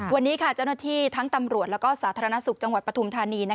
วันนี้เจ้าหน้าที่ทั้งตำรวจและสาธารณสุขจังหวัดปฐุมธานี